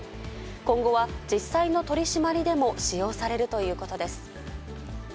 今後は実際の取締りでも使用されるということです。